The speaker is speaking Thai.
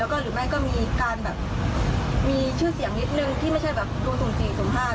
หรือไม่ก็มีชื่อเสียงนิดนึงที่ไม่ใช่ดูศูนย์ศูนย์ศูนย์ภาพ